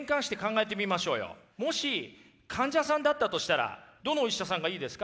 もし患者さんだったとしたらどのお医者さんがいいですか？